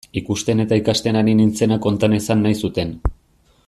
Ikusten eta ikasten ari nintzena konta nezan nahi zuten.